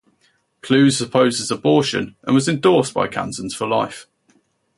Kloos opposes abortion and was endorsed by Kansans for Life.